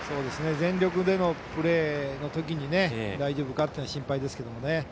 全力でのプレーのときに大丈夫かというのは心配ですけど。